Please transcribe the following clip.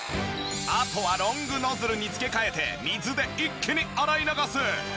あとはロングノズルに付け替えて水で一気に洗い流す！